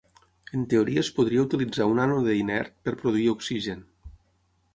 En teoria es podria utilitzar un ànode inert per produir oxigen.